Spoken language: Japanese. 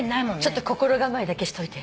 ちょっと心構えだけしといて。